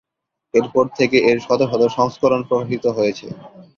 এরপর থেকে এর শত শত সংস্করণ প্রকাশিত হয়েছে।